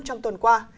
trong tuần qua